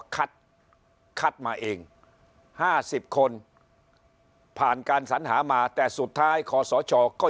คัดคัดมาเอง๕๐คนผ่านการสัญหามาแต่สุดท้ายคอสชก็